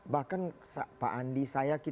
bahkan pak andi saya